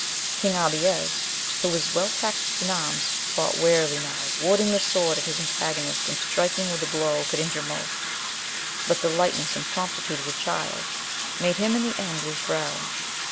King Abies, who was well practised in arms, fought warily now, warding the sword of his antagonist and striking where the blow could injure most ; but the lightness and promptitude of the Child made him in the end lose ground.